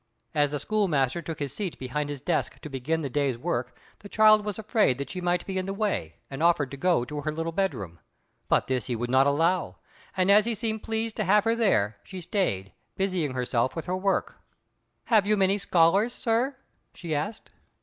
As the schoolmaster took his seat behind his desk to begin the day's work, the child was afraid that she might be in the way, and offered to go to her little bedroom. But this he would not allow; and as he seemed pleased to have her there, she stayed, busying herself with her work. "Have you many scholars, sir?" she asked.